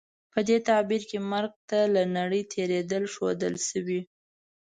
په دې تعبیر کې مرګ ته له نړۍ تېرېدل ښودل شوي.